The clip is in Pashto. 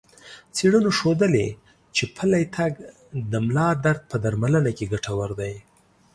څېړنو ښودلي چې پلی تګ د ملا درد په درملنه کې ګټور دی.